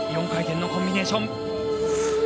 ４回転のコンビネーション。